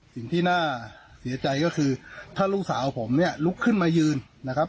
สิ่งที่น่าเสียใจก็คือถ้าลูกสาวผมเนี่ยลุกขึ้นมายืนนะครับ